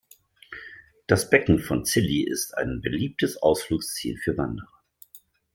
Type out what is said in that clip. Das Becken von Cilli ist ein beliebtes Ausflugsziel für Wanderer.